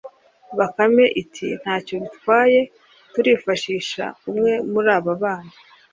bakame iti:” nta cyo bitwaye, turifashisha umwe muri aba bana”